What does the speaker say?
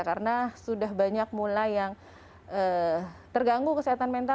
karena sudah banyak mula yang terganggu kesehatan mental